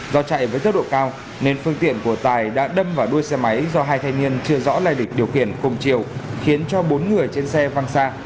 do chạy với tốc độ cao nên phương tiện của tài đã đâm vào đuôi xe máy do hai thanh niên chưa rõ lây lịch điều khiển cùng chiều khiến cho bốn người trên xe văng xa